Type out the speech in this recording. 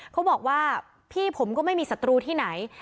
เขาบอกว่าพี่ผมก็ไม่มีศัตรูที่ไหน